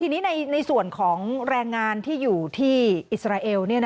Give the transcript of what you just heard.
ทีนี้ในส่วนของแรงงานที่อยู่ที่อิสราเอล